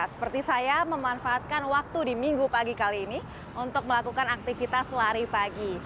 seperti saya memanfaatkan waktu di minggu pagi kali ini untuk melakukan aktivitas lari pagi